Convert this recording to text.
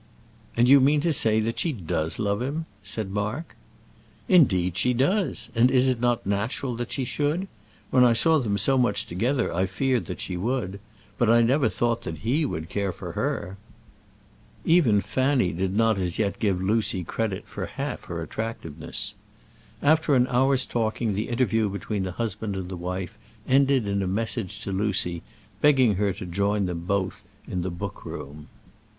"And you mean to say that she does love him?" said Mark. "Indeed she does; and is it not natural that she should? When I saw them so much together I feared that she would. But I never thought that he would care for her." Even Fanny did not as yet give Lucy credit for half her attractiveness. After an hour's talking the interview between the husband and wife ended in a message to Lucy, begging her to join them both in the book room.